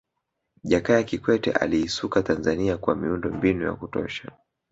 jakaya kikwete aliisuka tanzania kwa miundo mbinu ya kutosha